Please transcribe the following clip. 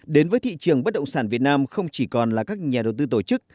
đến với thị trường bất động sản việt nam không chỉ còn là các nhà đầu tư tổ chức